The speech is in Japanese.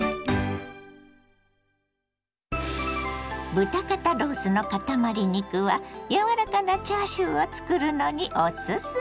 豚肩ロースのかたまり肉は柔らかなチャーシューを作るのにおすすめ。